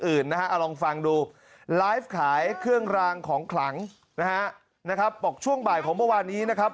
เอาลองฟังดูไลฟ์ขายเครื่องรางของคลังนะฮะบอกช่วงบ่ายของเมื่อวานนี้นะครับ